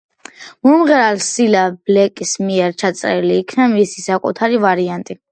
მომღერალ სილა ბლეკის მიერ ჩაწერილი იქნა მისი საკუთარი ვარიანტი.